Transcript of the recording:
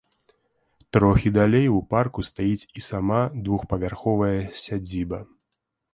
Трохі далей у парку стаіць і сама двухпавярховая сядзіба.